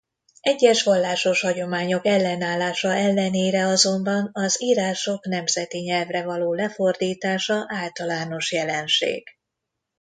Egyes vallásos hagyományok ellenállása ellenére azonban az írások nemzeti nyelvre való lefordítása általános jelenség.